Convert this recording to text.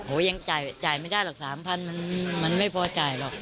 โอ้ยยังจ่ายไม่ได้ละ๓๐๐๐บาทมันไม่พอจ่ายหรอก